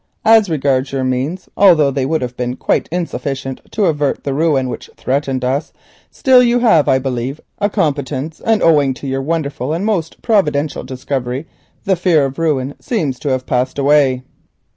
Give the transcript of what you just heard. As regards your means, although they would have been quite insufficient to avert the ruin which threatened us, still you have, I believe, a competence, and owing to your wonderful and most providential discovery the fear of ruin seems to have passed away.